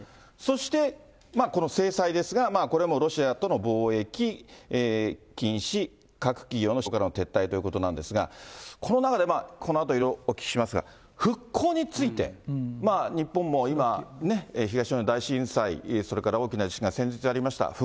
そしてこの制裁ですが、これもロシアとの貿易禁止、各企業が市場からの撤退ということなんですが、この中でこのあといろいろお聞きしますが、復興について、日本も今、東日本大震災、それから大きな地震が先日ありました。